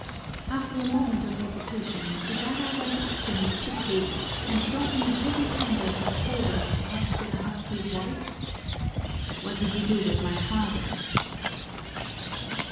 After a moment of hesitation Ibarra went up to him quickly and dropping a heavy hand on his shoulder, asked in a husky voice, "What did you do with my father?"